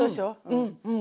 うんうん。